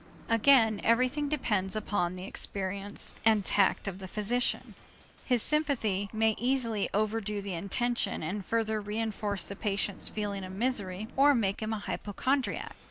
Again everything depends upon the experience and tact of the physician. His sympathy may easily overdo the intention and further reënforce the patient's feeling of misery or make him an hypochondriac.